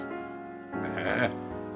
ねえ。